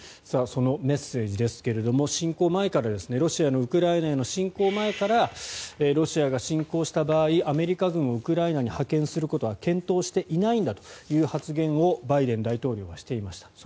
そのメッセージですがロシアのウクライナへの侵攻前からロシアが侵攻した場合アメリカ軍をウクライナに派遣することは検討していないんだという発言をバイデン大統領がしていました。